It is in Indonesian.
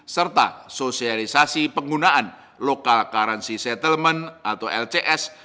serta sosialisasi penggunaan local currency settlement atau lcs